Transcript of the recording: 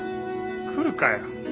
来るかよ